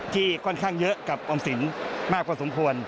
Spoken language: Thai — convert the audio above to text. ที่ค่อนข้างเยอะกับออมศิลป์มากกว่าสมควร